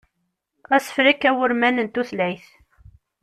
Asefrek awurman n tutlayt.